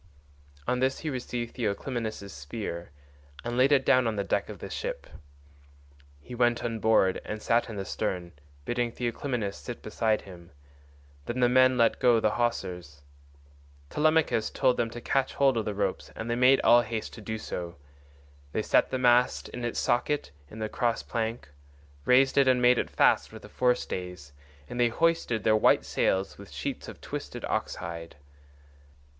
On this he received Theoclymenus' spear and laid it down on the deck of the ship. He went on board and sat in the stern, bidding Theoclymenus sit beside him; then the men let go the hawsers. Telemachus told them to catch hold of the ropes, and they made all haste to do so. They set the mast in its socket in the cross plank, raised it and made it fast with the forestays, and they hoisted their white sails with sheets of twisted ox hide.